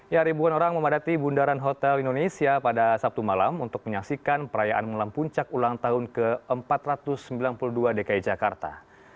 ya ribuan orang memadati bundaran hotel indonesia pada sabtu malam untuk menyaksikan perayaan malam puncak ulang tahun ke empat ratus sembilan puluh dua dki jakarta